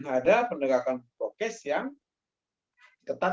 ada pendekatan prokes yang ketat